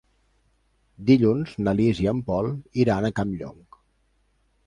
Dilluns na Lis i en Pol iran a Campllong.